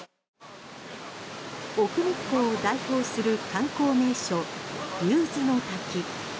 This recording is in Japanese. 奥日光を代表する観光名所竜頭の滝。